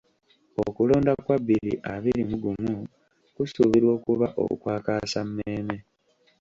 Okulonda kwa bbiri abiri mu gumu kusuubirwa okuba okwakaasammeeme.